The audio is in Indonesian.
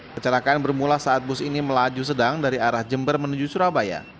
kecelakaan bermula saat bus ini melaju sedang dari arah jember menuju surabaya